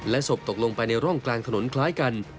ศพตกลงไปในร่องกลางถนนคล้ายกัน